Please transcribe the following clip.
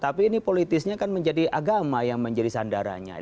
tapi ini politisnya kan menjadi agama yang menjadi sandaranya